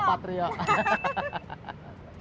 oke berarti dari berapa